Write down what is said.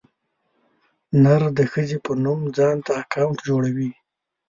نر د ښځې په نوم ځانته اکاونټ جوړوي.